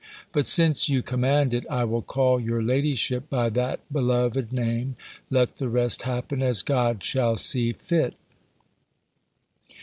But since you command it, I will call your ladyship by that beloved name, let the rest happen as God shall see fit.